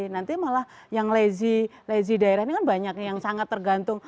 nanti malah yang lezy daerah ini kan banyak yang sangat tergantung